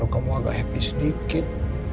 kamu agak happy sedikit